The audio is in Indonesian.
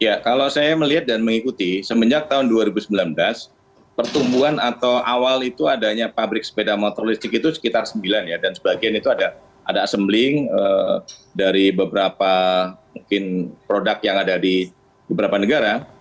ya kalau saya melihat dan mengikuti semenjak tahun dua ribu sembilan belas pertumbuhan atau awal itu adanya pabrik sepeda motor listrik itu sekitar sembilan ya dan sebagian itu ada asembling dari beberapa mungkin produk yang ada di beberapa negara